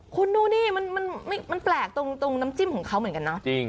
คุณดูดิมันแปลกตรงน้ำจิ้มของเขาเหมือนกันนะ